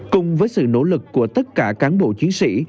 cùng với sự nỗ lực của tất cả cán bộ chiến sĩ